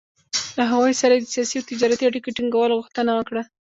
له هغوی سره یې د سیاسي او تجارتي اړیکو ټینګولو غوښتنه وکړه.